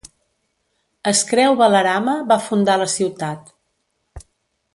Es creu Balarama va fundar la ciutat.